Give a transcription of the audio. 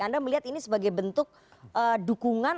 anda melihat ini sebagai bentuk dukungan